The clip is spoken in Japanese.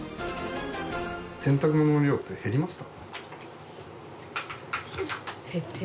洗濯物の量って減りました？